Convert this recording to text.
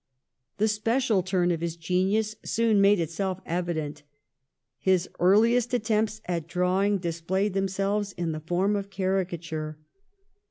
The special turn of his genius soon made itself evident. His earliest attempts at drawing displayed themselves in the form of caricature.